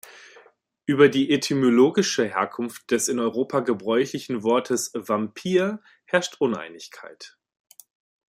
Über die etymologische Herkunft des in Europa gebräuchlichen Wortes „Vampir“ herrscht Uneinigkeit.